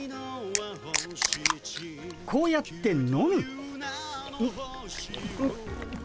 こうやって飲む。